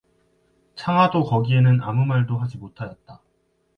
창하도 거기에는 아무 말도 하지 못하였다.